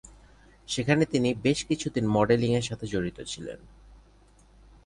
সেখানে তিনি বেশ কিছু দিন মডেলিং এর সাথে জড়িত ছিলেন।